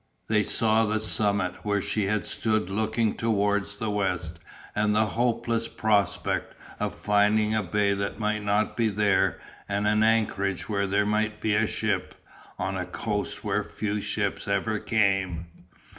They saw the summit where she had stood looking towards the west and the hopeless prospect of finding a bay that might not be there and an anchorage where there might be a ship, on a coast where few ships ever came.